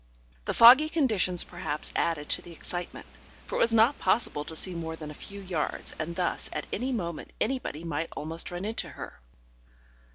The foggy conditions perhaps added to the excitement, for it was not possible to see more than a few yards, and thus at any moment anybody might almost run into her.